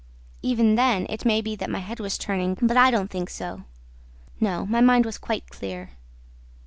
Even then, it may be that my head was turning, but I don't think so: no, my mind was quite clear.